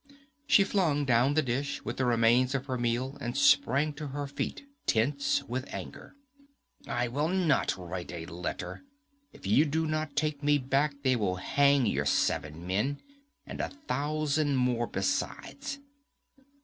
She flung down the dish, with the remnants of her meal, and sprang to her feet, tense with anger. 'I will not write a letter! If you do not take me back, they will hang your seven men, and a thousand more besides!'